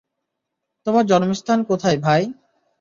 তোমার জন্মস্থান কোথায়, ভাই?